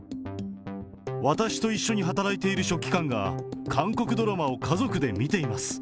私と一緒に働いている書記官が、韓国ドラマを家族で見ています。